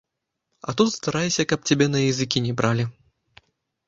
А тут старайся, каб цябе на языкі не бралі.